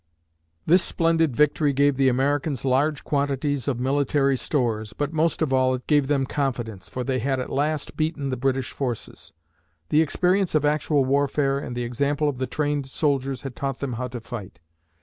This splendid victory gave the Americans large quantities of military stores, but most of all, it gave them confidence, for they had at last beaten the British forces. The experience of actual warfare and the example of the trained soldiers had taught them how to fight.